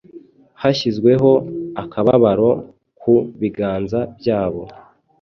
hashyizweho akababaro ku biganza byabo